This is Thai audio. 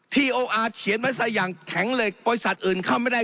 โออาร์เขียนไว้ใส่อย่างแข็งเลยบริษัทอื่นเข้าไม่ได้